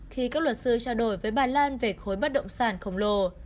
khi các luật sư trao đổi với bà lan về khối bất động sản khổng lồ